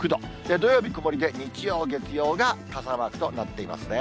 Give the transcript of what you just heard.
土曜日、曇りで、日曜、月曜が傘マークとなっていますね。